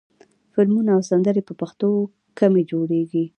فلمونه او سندرې په پښتو کمې جوړېږي.